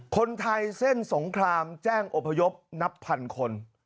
คนไทยเส้นสงครามแจ้งอพยพนับพันคน